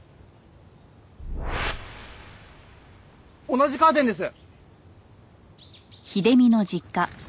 同じカーテンです！